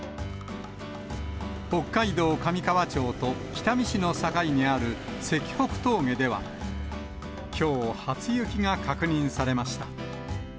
北海道上川町と北見市の境にある石北峠では、きょう、初雪が確認されました。